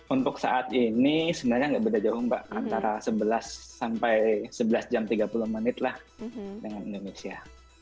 untuk saat ini sebenarnya nggak beda jauh mbak antara sebelas sampai sebelas jam tiga puluh menit lah dengan indonesia